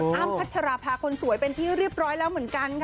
อ้ำพัชราภาคนสวยเป็นที่เรียบร้อยแล้วเหมือนกันค่ะ